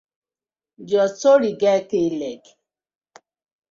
Your story get k-leg!